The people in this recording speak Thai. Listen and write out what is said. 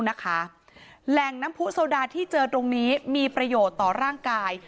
แหล่งน้ำผู้โซดาที่เจอตรงนี้มีประโยชน์ต่อร่างกาย